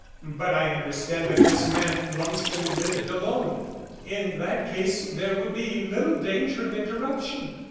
"But I understand that this man Lumsden lived alone. In that case there would be little danger of interruption."